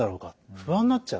不安になっちゃう。